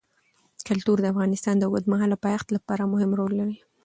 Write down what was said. کلتور د افغانستان د اوږدمهاله پایښت لپاره مهم رول لري.